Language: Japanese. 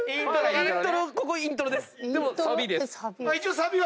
ここイントロ。でサビ。